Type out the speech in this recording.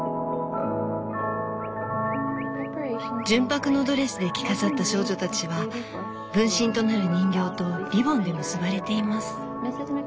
純白のドレスで着飾った少女たちは分身となる人形とリボンで結ばれています。